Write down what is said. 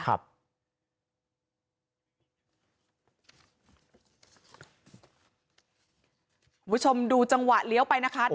คุณผู้ชมดูจังหวะเลี้ยวไปนะคะ